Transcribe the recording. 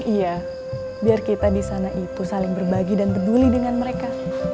iya biar kita di sana itu saling berbagi dan peduli dengan mereka